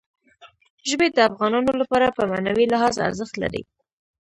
ژبې د افغانانو لپاره په معنوي لحاظ ارزښت لري.